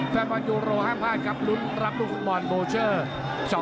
แฟนมอนด์ยูโรห้างพลาดครับรุ้นรับรุ้นฟุตมอนด์โบร์เชอร์